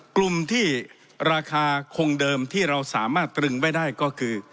กลุ่มที่ราคาคงเดิมที่เราสามารถตรึงไว้ได้ก็คือ